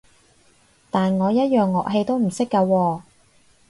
但我一樣樂器都唔識㗎喎